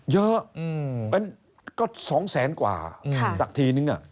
เยอะเป็นก็๒๐๐๐๐๐บาทกว่าสักทีหนึ่งน่ะ